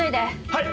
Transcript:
はい！